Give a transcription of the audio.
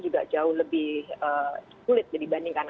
juga jauh lebih sulit dibandingkan